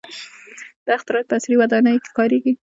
• دا اختراعات په عصري ودانیو کې کارېږي.